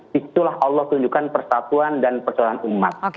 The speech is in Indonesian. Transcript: di situlah allah tunjukkan persatuan dan persatuan umat